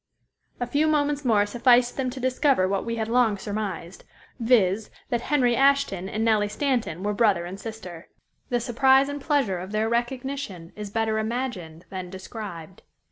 A few moments more sufficed them to discover what we have long surmized, viz., that Henry Ashton and Nellie Stanton were brother and sister. The surprise and pleasure of their recognition is better imagined than described.